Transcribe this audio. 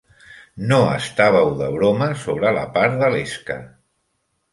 No estàveu de broma sobre la part de l'esca.